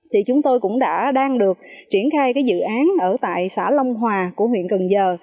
thì chúng tôi cũng đã đang được triển khai cái dự án ở tại xã long hòa của huyện cần giờ